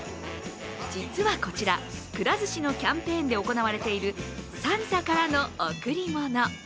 実はこちら、くら寿司のキャンペーンで行われているサンタからの贈り物。